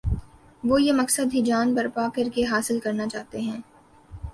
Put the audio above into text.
وہ یہ مقصد ہیجان برپا کر کے حاصل کرنا چاہتے ہیں۔